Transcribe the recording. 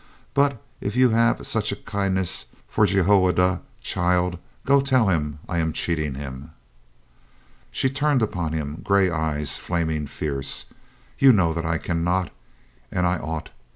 "But if you have such a kindness for Jehoiada, child, go tell him I am cheating him." She turned upon him, gray eyes flaming fierce. "You know that I can not! And I ought!